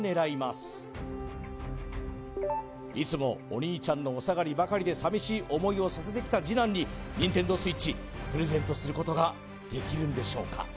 いつもお兄ちゃんのお下がりばかりで寂しい思いをさせてきた次男にＮｉｎｔｅｎｄｏＳｗｉｔｃｈプレゼントすることができるんでしょうか？